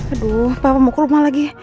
aduh papa mau ke rumah lagi